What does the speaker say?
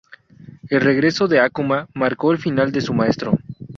El regreso de Akuma marcó el final de su maestro.